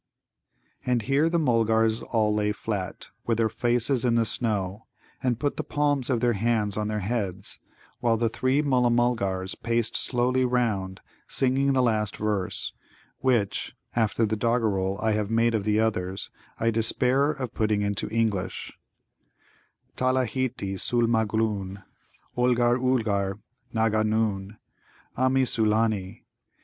And here the Mulgars all lay flat, with their faces in the snow, and put the palms of their hands on their heads; while the three Mulla mulgars paced slowly round, singing the last verse, which, after the doggerel I have made of the others, I despair of putting into English: "Talaheeti sul magloon Olgar, ulgar Nanga noon; Ah mi, Sulâni!